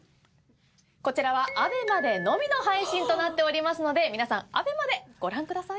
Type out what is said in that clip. こちらはＡＢＥＭＡでのみの配信となっておりますので皆さんＡＢＥＭＡでご覧ください。